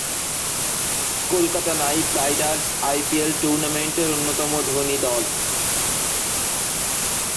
Kolkata Knight Riders IPL টুর্নামেন্টের অন্যতম ধনী দল।